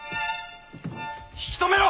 引き止めろ！